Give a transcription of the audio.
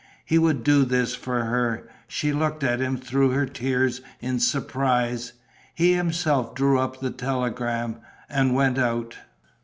He would do this for her. She looked at him, through her tears, in surprise. He himself drew up the telegram and went out.